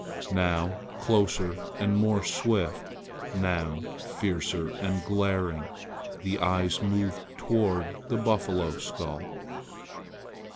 Now closer and more swift, now fiercer and glaring, the eyes moved toward the buffalo skull.